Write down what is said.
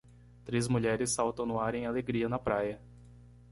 Três mulheres saltam no ar em alegria na praia.